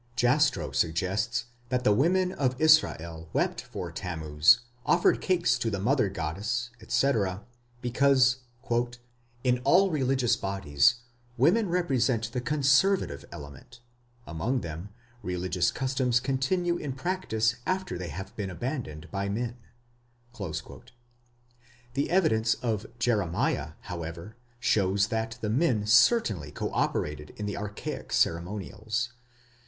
Jastrow suggests that the women of Israel wept for Tammuz, offered cakes to the mother goddess, &c., because "in all religious bodies ... women represent the conservative element; among them religious customs continue in practice after they have been abandoned by men". The evidence of Jeremiah, however, shows that the men certainly co operated at the archaic ceremonials.